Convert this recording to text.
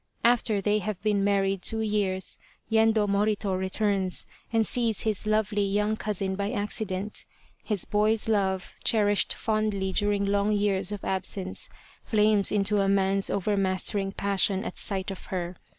After they have been married two years Yendo Morito returns and sees his lovely young cousin by accident. His boy's love, cherished fondly during long years of absence, flames into a man's over mastering passion at sight of her.